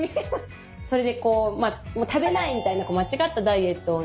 それでこうまあ食べない！みたいな間違ったダイエットをね